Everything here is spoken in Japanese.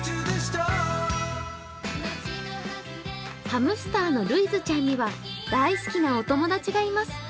ハムスターのるいずちゃんには大好きなお友達がいます。